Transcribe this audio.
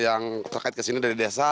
yang terkait ke sini dari desa